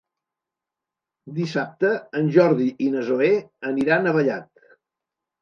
Dissabte en Jordi i na Zoè aniran a Vallat.